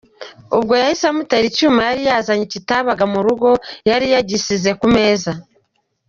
Ubwo yahise amutera icyuma yari yazanye kitabaga mu rugo yari yagisize ku meza.